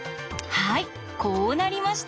はいこうなりました。